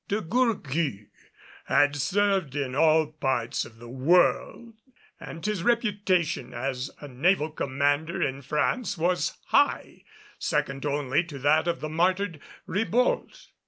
De Gourgues had served in all parts of the world and his reputation as a naval commander in France was high second only to that of the martyred Ribault.